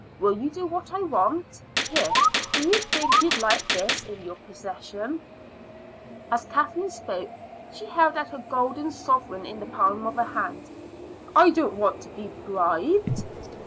Will you do what I want? Here, do you think you'd like this in your possession?" As Kathleen spoke she held out a golden sovereign in the palm of her little hand. "I don't want to be bribed."